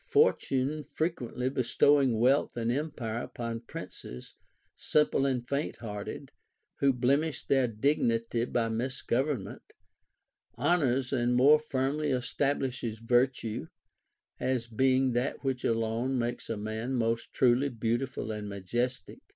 Fortune frequently bestowing wealth and empire upon princes simple and faint hearted, who blemish their dignity by misgovernment, honors and more firmly establishes virtue, as being that which alone makes a man most truly beautiful and majestic.